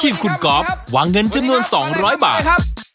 ทีมคุณกอล์ฟวางเงินจำนวน๒๐๐บาท